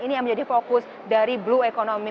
ini yang menjadi fokus dari blue economy